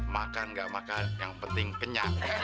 makan gak makan yang penting kenyang